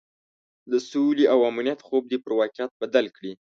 د سولې او امنیت خوب دې پر واقعیت بدل کړي.